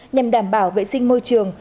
nhằm đảm bảo vệ sinh môi trường